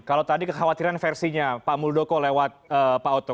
kalau tadi kekhawatiran versinya pak muldoko lewat pak oto